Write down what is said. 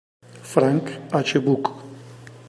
Frank H. Buck".